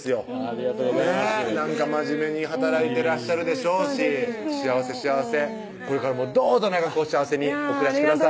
ありがとうございますなんか真面目に働いてらっしゃるでしょうし幸せ幸せこれからもどうぞ長くお幸せにお暮らしください